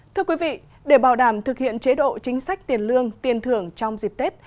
thưa quý vị để bảo đảm thực hiện chế độ chính sách tiền lương tiền thưởng trong dịp tết